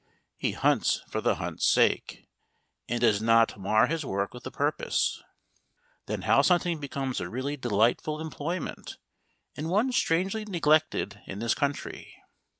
He hunts for the hunt's sake, and does not mar his work with a purpose. Then house hunting becomes a really delightful employment, and one strangely neglected in this country.